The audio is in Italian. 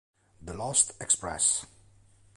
The Lost Express